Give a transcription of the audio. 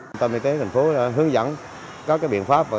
hệ thống y tế thành phố hướng dẫn các biện pháp